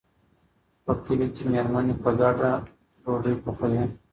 په کلي کې مېرمنې په ګډه ډوډۍ پخوي.